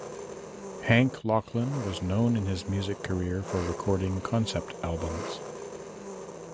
Hank Locklin was known in his music career for recording concept albums.